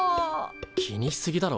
気にしすぎだろ。